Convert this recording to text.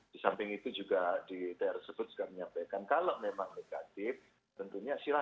di sampingnya rumah sakit rujukan itu tidak ada kesimpangsiuran sehingga tidak ada kesimpangsiuran